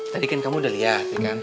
tadi kan kamu udah lihat